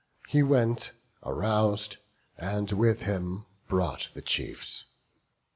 He went, arous'd, and with him brought the chiefs.